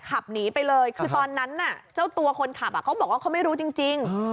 ขับหนีไปเลยคือตอนนั้นน่ะเจ้าตัวคนขับเขาบอกว่าเขาไม่รู้จริง